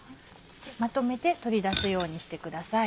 まとめて取り出すようにしてください。